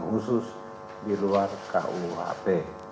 khusus di luar rkuhp